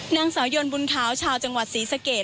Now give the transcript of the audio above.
นางสาวยนบุญขาวชาวจังหวัดศรีสะเกด